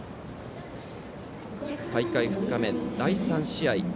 大会２日目の第３試合。